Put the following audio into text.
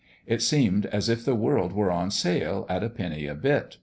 It seemed as if the world were on sale at a penny a bit.